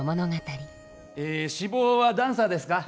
え志望はダンサーですか？